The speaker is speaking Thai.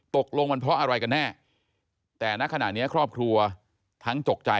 ตกลงมันเพราะอะไรกันแน่แต่ณขณะนี้ครอบครัวทั้งตกใจ